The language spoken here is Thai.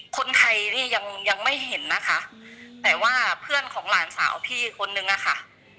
คนไทยนี่ยังยังไม่เห็นนะคะแต่ว่าเพื่อนของหลานสาวพี่อีกคนนึงอะค่ะ